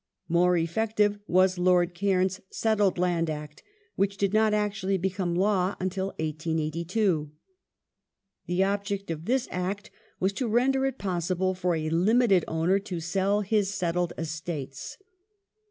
More effective was Lord Cairns's Settled Land Act '^ which did not actually become law until 1882. The object of this Act was to render it possible for a limited owner to sell his settled estates.